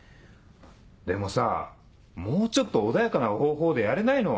でもさもうちょっと穏やかな方法でやれないの？